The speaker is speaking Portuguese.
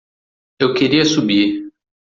Eu queria subir.